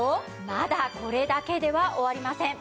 まだこれだけでは終わりません。